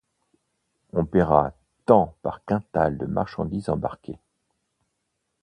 On paiera tant par quintal de marchandises embarquées.